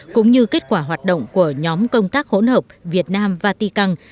cũng như kết quả hoạt động của nhóm công tác hỗn hợp việt nam vatican